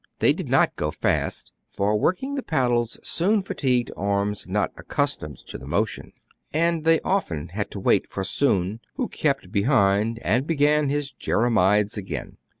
They did not go fast : for working the paddles soon fatigues arms not accustomed to the motion, and they often had to wait for Soun, who kept behind, and began his jérémiades again.